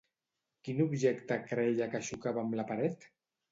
Quin objecte creia que xocava amb la paret?